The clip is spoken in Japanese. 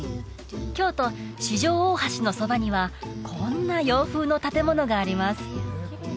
京都四条大橋のそばにはこんな洋風の建物があります